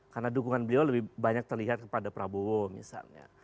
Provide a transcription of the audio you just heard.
karena dukungan beliau lebih banyak terlihat kepada prabowo misalnya